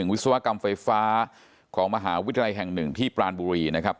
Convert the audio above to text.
วิศวกรรมไฟฟ้าของมหาวิทยาลัยแห่งหนึ่งที่ปรานบุรีนะครับ